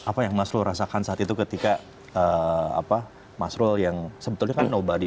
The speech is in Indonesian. apa yang masrol rasakan saat itu ketika masrol yang sebetulnya kan nobody